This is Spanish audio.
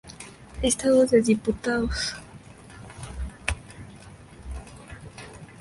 Listado de diputados